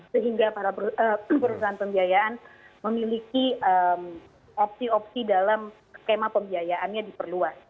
sehingga para perusahaan pembiayaan memiliki opsi opsi dalam skema pembiayaannya diperluas